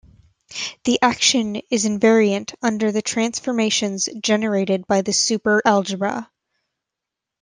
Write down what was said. The action is invariant under the transformations generated by the superalgebra.